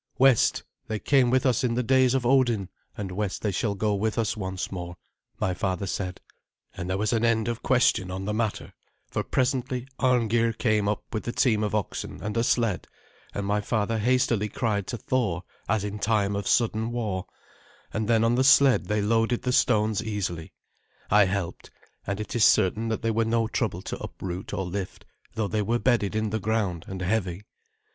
"West they came with us in the days of Odin, and west they shall go with us once more," my father said. And there was an end of question on the matter, for presently Arngeir came up with the team of oxen and a sled, and my father hastily cried to Thor as in time of sudden war, and then on the sled they loaded the stones easily. I helped, and it is certain that they were no trouble to uproot or lift, though they were bedded in the ground and heavy.